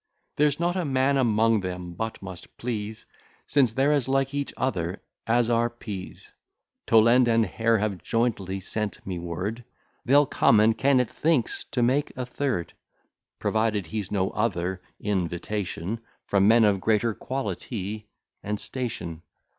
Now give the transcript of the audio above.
There's not a man among them but must please, Since they're as like each other as are pease. Toland and Hare have jointly sent me word They'll come; and Kennet thinks to make a third, Provided he's no other invitation From men of greater quality and station.